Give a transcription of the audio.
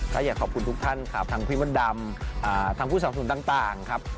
ข้าอยากขอบคุณทุกท่านครับทั้งพี่มดามทั้งผู้สังสนต่างครับ